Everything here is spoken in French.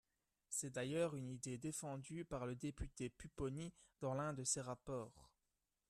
C’est d’ailleurs une idée défendue par le député Pupponi dans l’un de ses rapports.